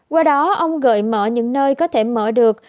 qua đó ông gợi mở những nơi có thể mở được